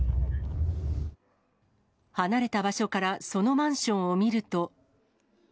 離れた場所からそのマンションを見ると。